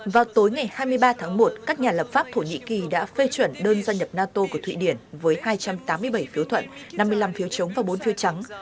vào tối ngày hai mươi ba tháng một các nhà lập pháp thổ nhĩ kỳ đã phê chuẩn đơn gia nhập nato của thụy điển với hai trăm tám mươi bảy phiếu thuận năm mươi năm phiếu chống và bốn phiếu trắng